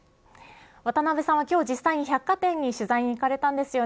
渡辺さんは今日実際に百貨店に取材に行かれたんですよね。